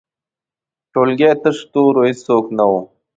ټولګی تش تور و، هیڅوک نه وو.